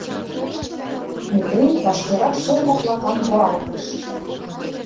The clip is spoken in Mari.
Метрий вашкерак шыл моклакам руалтыш.